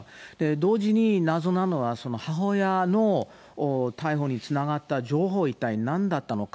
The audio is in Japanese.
同時に謎なのは、母親の逮捕につながった情報、一体なんだったのか。